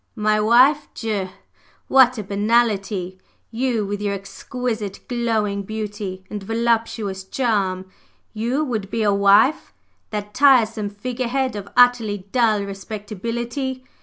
"My wife! Dieu! What a banalité! You, with your exquisite, glowing beauty and voluptuous charm, you would be a 'wife' that tiresome figure head of utterly dull respectability?